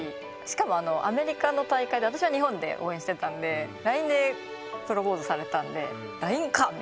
しかもアメリカの大会で私は日本で応援してたんでＬＩＮＥでプロポーズされたんでＬＩＮＥかっ！